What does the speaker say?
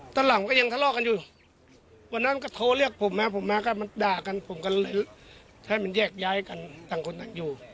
ตอนหลังก็ยังทะเลาะกันอยู่วันนั้นก็โทรเรียกผมมาผมมากันมันด่ากันผมก็เลยให้มันแยกย้ายกันต่างคนต่างอยู่